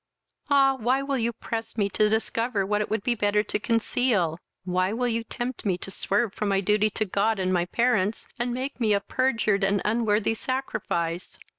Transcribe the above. "Ah! why will you press me to discover what it would be better to conceal? why will you tempt me to swerve from my duty to my God and my parents, and make me a perjured, and unworthy sacrifice?